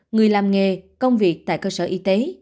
người làm nghề công việc tại cơ sở y tế